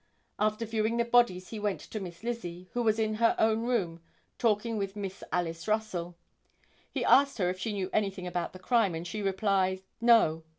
After viewing the bodies he went to Miss Lizzie, who was in her own room talking with Miss Alice Russell. He asked her if she knew anything about the crime, and she replied "No."